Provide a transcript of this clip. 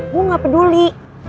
gue gak peduli